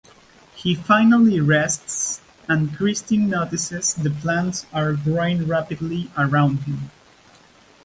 He finally rests and Christine notices the plants are growing rapidly around him.